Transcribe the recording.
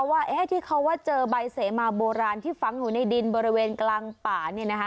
ว่าที่เขาว่าเจอใบเสมาโบราณที่ฝังอยู่ในดินบริเวณกลางป่าเนี่ยนะคะ